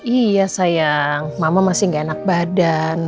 iya sayang mama masih gak enak badan